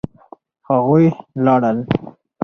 هغوی لاړل.